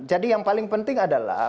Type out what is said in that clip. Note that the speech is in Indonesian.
yang paling penting adalah